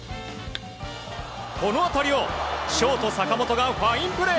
この当たりをショート坂本がファインプレー。